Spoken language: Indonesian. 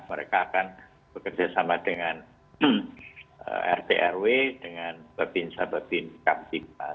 mereka akan bekerjasama dengan rt rw dengan bapin sababin captiva